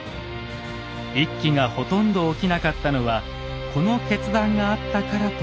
一揆がほとんど起きなかったのはこの決断があったからと考えられます。